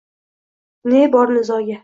Ne bor nizoga!